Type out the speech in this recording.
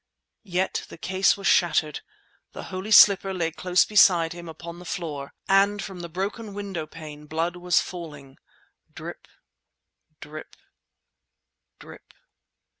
Yet the case was shattered, the holy slipper lay close beside him upon the floor, and from the broken window pane blood was falling—drip drip drip...